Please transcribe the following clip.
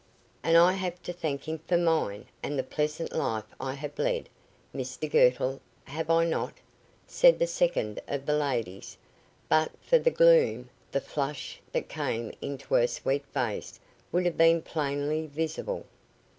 "And I have to thank him for mine, and the pleasant life I have led, Mr Girtle, have I not?" said the second of the ladies; and, but for the gloom, the flush that came into her sweet face would have been plainly visible.